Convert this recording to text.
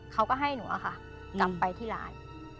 เขาก็ให้หนูอะค่ะกลับไปที่ร้าน